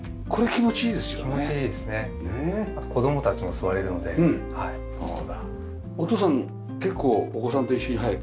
そうだお父さん結構お子さんと一緒に入る？